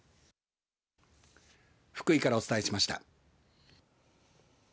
福井からお伝えしました。